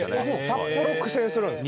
札幌苦戦するんですか？